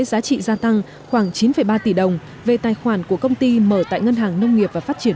giá trị gia tăng khoảng chín ba tỷ đồng về tài khoản của công ty mở tại ngân hàng nông nghiệp và phát triển